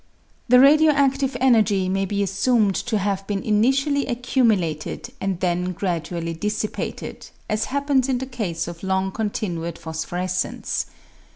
The radio adlive energy may be assumed to have been initially accumulated and then gradually dissipated, as happens in the case of long continued phosphorescence.